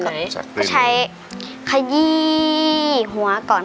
ขาหนูหนีบไว้